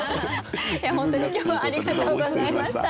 本当に今日はありがとうございました。